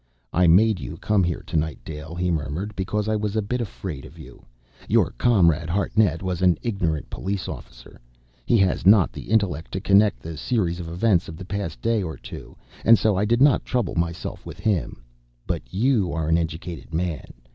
"I made you come here to night, Dale," he murmured, "because I was a bit afraid of you. Your comrade, Hartnett, was an ignorant police officer. He has not the intellect to connect the series of events of the past day or two, and so I did not trouble myself with him. But you are an educated man.